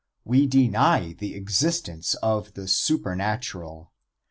We deny the existence of the supernatural.